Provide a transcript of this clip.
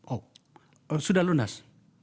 oh sudah lunas